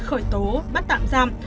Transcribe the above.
khởi tố bắt tạm giam